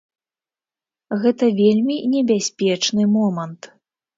Гэта вельмі небяспечны момант.